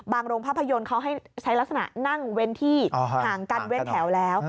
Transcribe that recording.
โรงภาพยนตร์เขาให้ใช้ลักษณะนั่งเว้นที่ห่างกันเว้นแถวแล้ว